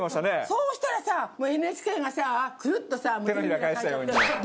そうしたらさもうＮＨＫがさくるっとさ。